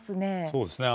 そうですね。